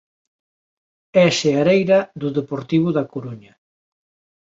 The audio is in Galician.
É seareira do Deportivo da Coruña.